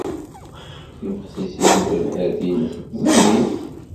Tibexsisin n tebḥirt-nnes ẓidit.